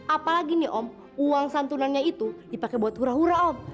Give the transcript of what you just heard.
apalagi nih om uang santunannya itu dipakai buat hura hura om